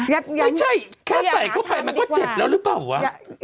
ไม่ใช่แค่ใส่เข้าไปมันก็เจ็บแล้วหรือเปล่าวะ